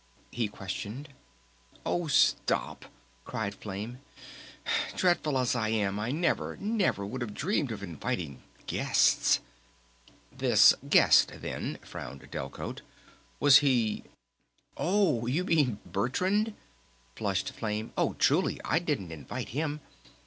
he questioned. "Oh, stop!" cried Flame. "Dreadful as I am I never never would have dreamed of inviting 'guests'!" "This 'guest' then," frowned Delcote. "Was he...?" "Oh, you mean ... Bertrand?" flushed Flame. "Oh, truly, I didn't invite him!